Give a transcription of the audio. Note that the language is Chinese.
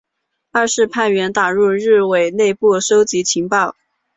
二是派员打入日伪内部搜集情报。